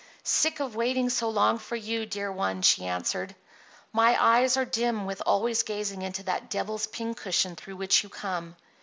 "Sick of waiting so long for you, dear one," she answered. "My eyes are dim with always gazing into that devil's pincushion through which you come.